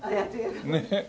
ねえ。